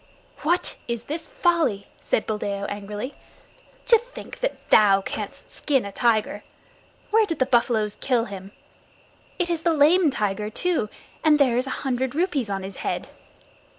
"What is this folly?" said Buldeo angrily. "To think that thou canst skin a tiger! Where did the buffaloes kill him? It is the Lame Tiger too, and there is a hundred rupees on his head.